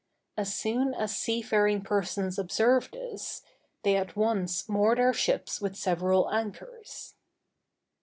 As soon as seafaring persons observe this, they at once moor their ship with several anchors.